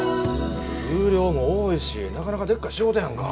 数量も多いしなかなかでっかい仕事やんか。